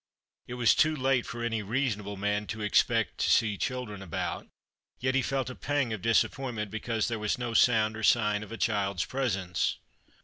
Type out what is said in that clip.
It was too late for any reasonable man to expect to see children about ; yet he felt a pang of disappointment because there was no sound or sign of a child's presence.